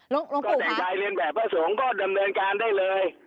น้องปู่คะก็แต่ใจเรียนแหวะพระสงฆ์ก็ดำเนินการได้เลย